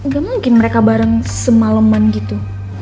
gak mungkin mereka bareng semaleman gitu